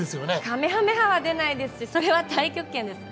かめはめ波は出ないですしそれは太極拳です